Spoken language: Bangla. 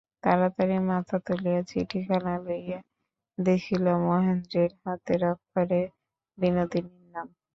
তাড়াতাড়ি মাথা তুলিয়া চিঠিখানা লইয়া দেখিল, মহেন্দ্রের হাতের অক্ষরে বিনোদিনীর নাম।